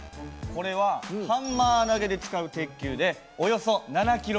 これはハンマー投げで使う鉄球でおよそ７ｋｇあります。